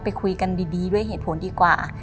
ไปคุยกันดีด้วยเหตุผลดีกว่า